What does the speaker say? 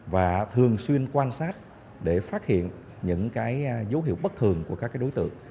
và thường xuyên quan sát để phát hiện những dấu hiệu bất thường của các đối tượng